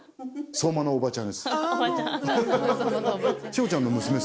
相馬のおばちゃんです。